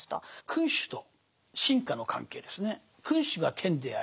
君主と臣下の関係ですね。